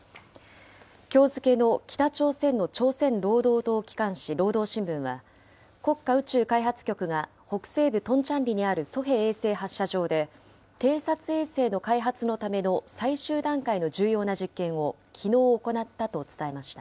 きょう付けの北朝鮮の朝鮮労働党機関紙、労働新聞は、国家宇宙開発局が北西部トンチャンリにあるソヘ衛星発射場で、偵察衛星の開発のための最終段階の重要な実験をきのう行ったと伝えました。